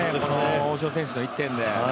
大城選手の１点で。